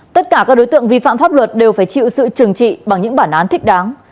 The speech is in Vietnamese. tất cả các đối tượng vi phạm pháp luật đều phải chịu sự trừng trị bằng những bản án thích đáng